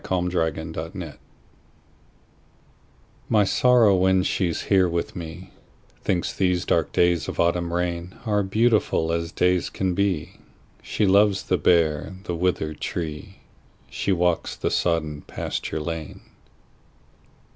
My November Guest MY Sorrow, when she's here with me, Thinks these dark days of autumn rainAre beautiful as days can be; She loves the bare, the withered tree; She walks the sodden pasture lane.